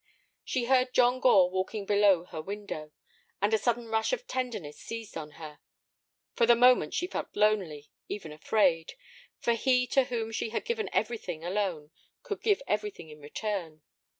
She heard John Gore walking below her window, and a sudden rush of tenderness seized on her. For the moment she felt lonely, even afraid; for he to whom she had given everything alone could give everything in return.